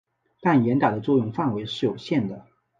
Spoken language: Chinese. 但严打的作用范围是有限的。